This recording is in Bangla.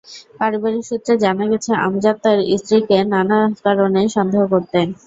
পারিবারিক সূত্রে জানা গেছে, আমজাদ তাঁর স্ত্রীকে নানা কারণে সন্দেহ করতেন।